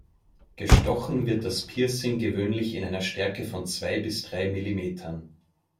Gestochen wird das Piercing gewöhnlich in einer Stärke von zwei bis drei Millimetern.